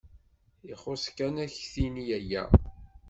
Ixuṣṣ kan ad k-tini yya.